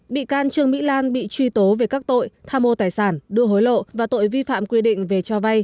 bị can trương mỹ lan bị truy tố về các tội tham mô tài sản đưa hối lộ và tội vi phạm quy định về cho vay